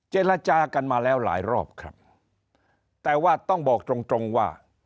เจรจากันมาแล้วหลายรอบครับแต่ว่าต้องบอกตรงตรงว่า